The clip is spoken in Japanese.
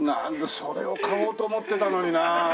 それを買おうと思ってたのにな。